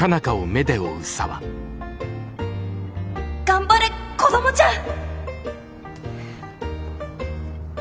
頑張れ子どもちゃん！